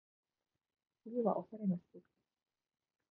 冬はおしゃれの季節